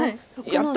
「やった！